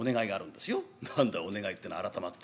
お願いってのは改まって。